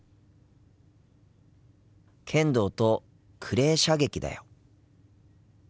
剣道とクレー射撃だよ。